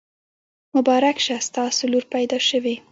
مبارک شه! ستاسو لور پیدا شوي.